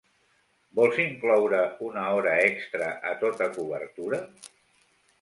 Vols incloure una hora extra a tota cobertura?